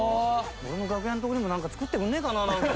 俺の楽屋のところにもなんか作ってくれないかな？